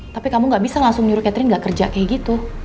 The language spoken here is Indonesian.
tapi kamu gak bisa langsung nyuruh catering gak kerja kayak gitu